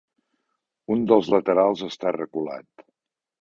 Un dels laterals està reculat.